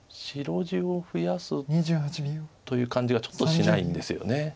白地を増やすという感じがちょっとしないんですよね。